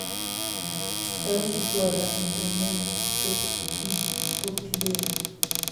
Estaba situada entre Mende y Potidea.